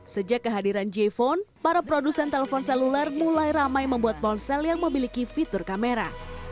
sejak kehadiran j phone para produsen telpon seluler mulai ramai membuat ponsel yang memiliki fitur kamera